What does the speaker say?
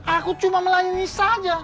aku cuma melayani saja